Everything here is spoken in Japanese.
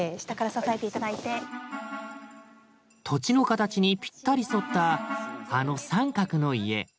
土地の形にぴったり沿ったあの三角の家。